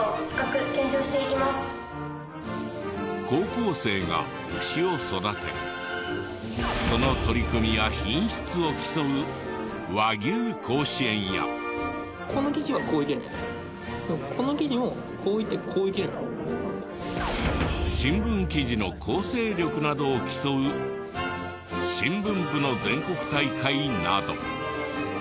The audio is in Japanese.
高校生が牛を育てその取り組みや品質を競う新聞記事の構成力などを競う新聞部の全国大会など